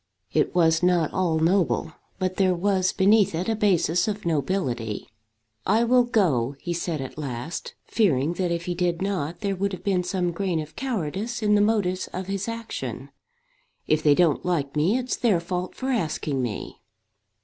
It was not all noble; but there was beneath it a basis of nobility. "I will go," he said at last, fearing that if he did not, there would have been some grain of cowardice in the motives of his action. "If they don't like me it's their fault for asking me."